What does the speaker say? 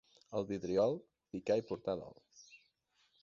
El vidriol, picar i portar dol.